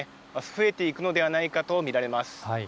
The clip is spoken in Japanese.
増えていくのではないかと見られます。